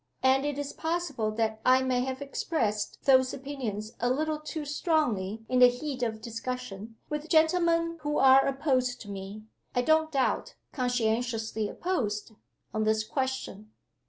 And it is possible that I may have expressed those opinions a little too strongly, in the heat of discussion, with gentlemen who are opposed to me I don't doubt, conscientiously opposed on this question."